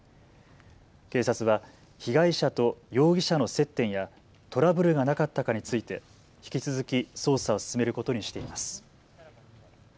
警察は被害者と容疑者の接点やトラブルがなかったかについて引き続き捜査を進めることにしています。